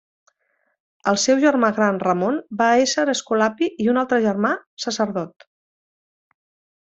El seu germà gran Ramon va ésser escolapi i un altre germà, sacerdot.